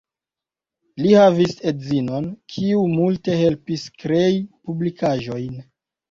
Li havis edzinon, kiu multe helpis krei publikaĵojn.